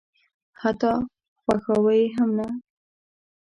حتی خواښاوه یې هم نه.